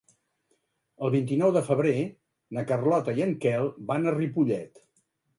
El vint-i-nou de febrer na Carlota i en Quel van a Ripollet.